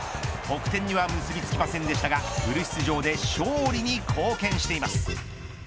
得点には結びつきませんでしたがフル出場で勝利に貢献しています。